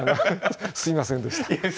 すみませんでした。